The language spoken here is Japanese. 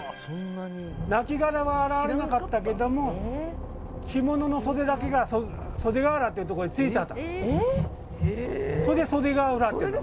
亡きがらは現れなかったけども着物の袖だけが袖ケ浦というところに着いた。